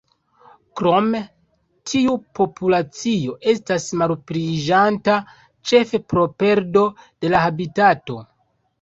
Krome, tiu populacio estas malpliiĝanta, ĉefe pro perdo de habitato.